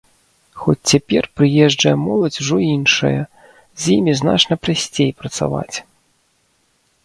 Хоць цяпер прыезджая моладзь ужо іншая, з імі значна прасцей працаваць.